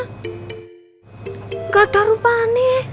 gak ada rupanya